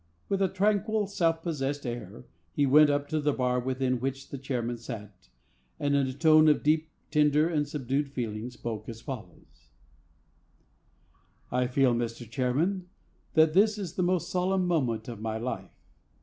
With a tranquil, self possessed air, he went up to the bar within which the chairman sat, and, in a tone of deep, tender and subdued feeling, spoke as follows: "I feel, Mr. Chairman, that this is the most solemn moment of my life.